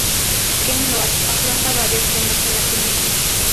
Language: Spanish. Ken Loach afronta varios temas en la película.